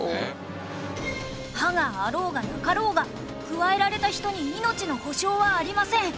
歯があろうがなかろうがくわえられた人に命の保証はありません。